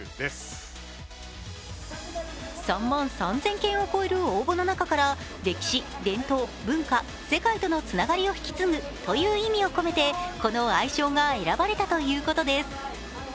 ３万３０００件を超える応募の中から歴史・伝統・文化・世界とのつながりを引き継ぐという意味を込めてこの愛称が選ばれたということです。